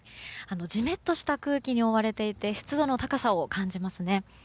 ジメッとした空気に覆われていて湿度の高さを感じますね。